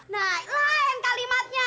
nah lain kalimatnya